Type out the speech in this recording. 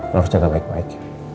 harus jaga baik baik